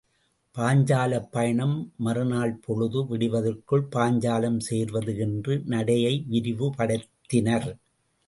பாஞ்சாலப் பயணம் மறுநாள் பொழுது விடிவதற்குள் பாஞ்சாலம் சேர்வது என்று நடையை விரைவுபடுத்தினர்.